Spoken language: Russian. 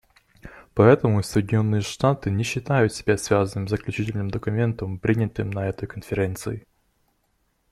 Поэтому Соединенные Штаты не считают себя связанными Заключительным документом, принятым на этой Конференции.